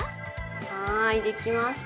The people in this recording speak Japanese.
はい出来ました。